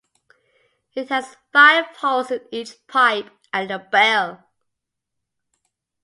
It has five holes in each pipe, and a bell.